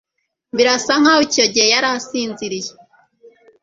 Birasa nkaho icyo gihe yari asinziriye